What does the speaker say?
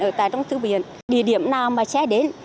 ở tại trong thư viện địa điểm nào mà sẽ đến